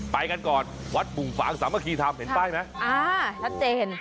ไปกันก่อนวัดบุ่งฟางสามัคคีธรรมเห็นป้ายไหมอ่าชัดเจน